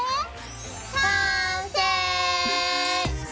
完成！